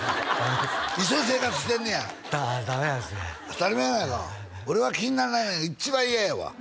一緒に生活してんねやダメなんすね当たり前やないか「俺は気にならない」が一番嫌やわ